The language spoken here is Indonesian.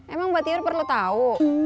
emang mbak tir perlu tau